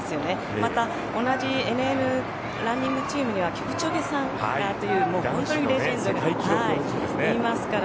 また同じランニングチームにはキプチョゲさんという本当にレジェンドがいますから。